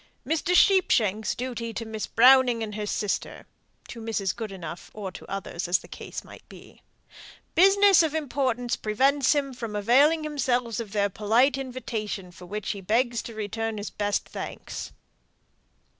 "Mr. Sheepshanks' duty to Miss Browning and her sister" (to Mrs. Goodenough, or to others, as the case might be). "Business of importance prevents him from availing himself of their polite invitation; for which he begs to return his best thanks."